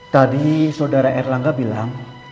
tadi saudara erlangga bilang